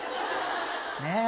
ねえ？